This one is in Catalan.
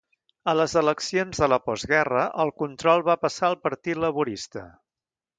A les eleccions de la postguerra el control va passar al Partit Laborista.